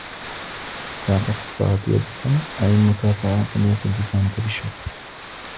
إذا قصرت يدك عن المكافأة فليصل لسانك بالشكر